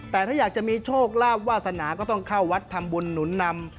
แต่ถ้าอยากจะมีโชคลาภวาสนาก็ต้องเข้าวัดทำบุญหนุนนำ